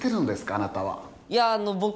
あなたは。